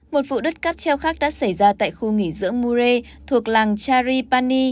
một vụ đứt cắp treo khác đã xảy ra tại khu nghỉ dưỡng mure thuộc làng charipani